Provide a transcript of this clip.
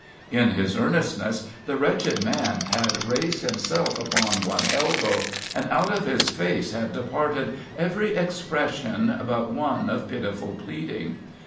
In his earnestness, the wretched man had raised himself upon one elbow, and out of his face had departed every expression but one of pitiful pleading.